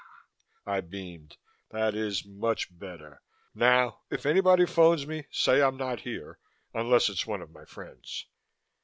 I beamed. "That is much better. Now if anybody phones me, say I'm not here, unless it's one of my friends."